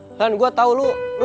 kira kamu mempunyai peta ini